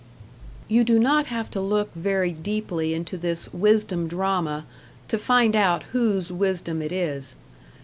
You do not have to look very deeply into this "Wisdom drama" to find out whose wisdom it is.